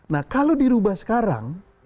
nah kalau dirubah sekarang